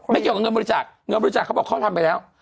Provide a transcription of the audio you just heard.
ไม่เกี่ยวกับเงินบริจาคเขาบอกเขาทำไปแล้ว